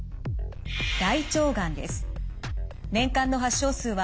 大腸がんです。